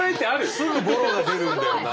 すぐぼろが出るんだよな。